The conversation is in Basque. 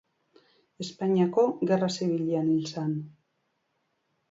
Espainiako Gerra Zibilean hil zen.